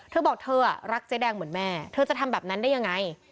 เธอบอกเธอรักเจ๊แดงเหมือนแม่เธอจะทำแบบนั้นได้ยังไง